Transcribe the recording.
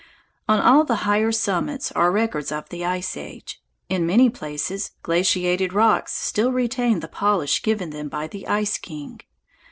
On all of the higher summits are records of the ice age. In many places glaciated rocks still retain the polish given them by the Ice King.